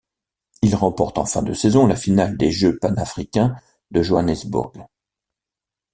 Il remporte en fin de saison la finale des Jeux panafricains de Johannesburg.